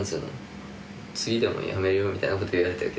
次でも辞めるよみたいなこと言われたけどさ。